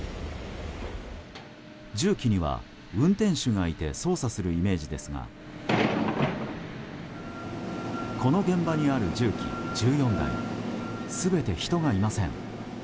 重機には運転手がいて操作するイメージですがこの現場にある重機１４台全て人がいません。